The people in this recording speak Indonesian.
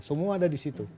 semua ada di situ